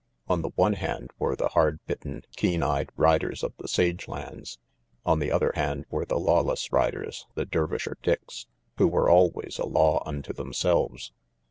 On the one hand were the hard bitten, keen eyed riders of the sage lands; on the other hand were the lawless riders, the Dervisher Dicks, who were always a law unto themselves.